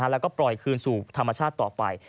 แล้วก็ปล่อยคืนสู่ธรรมชาติต่อไป